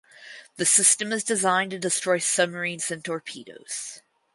The system is designed to destroy submarines and torpedoes.